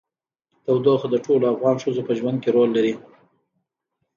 تودوخه د ټولو افغان ښځو په ژوند کې رول لري.